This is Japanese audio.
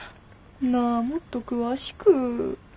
なあもっと詳しく。